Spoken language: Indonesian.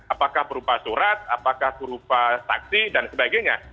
apakah berupa surat apakah berupa saksi dan sebagainya